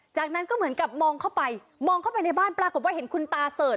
จากนั้นก็เหมือนกับมองเข้าไปมองเข้าไปในบ้านปรากฏว่าเห็นคุณตาเสิร์ช